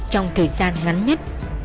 trong thời gian ngắn nhất